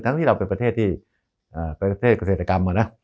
ทั้งที่เราเป็นประเทศเกษตรกรรมอะนะ